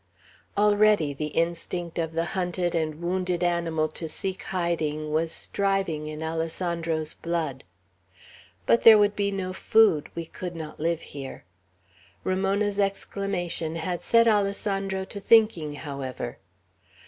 Already the instinct of the hunted and wounded animal to seek hiding, was striving in Alessandro's blood. "But there would be no food. We could not live here." Ramona's exclamation had set Alessandro to thinking, however.